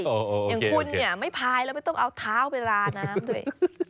อย่างคุณเนี่ยไม่พายแล้วไม่ต้องเอาเท้าไปราน้ำด้วย